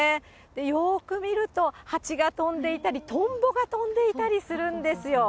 よーく見ると、蜂が飛んでいたり、トンボが飛んでいたりするんですよ。